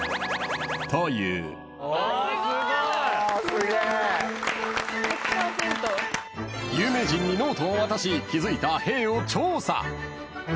すごい！有名人にノートを渡し気づいたへぇーを調査。